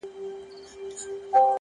علم د جهالت تر ټولو لوی دښمن دی,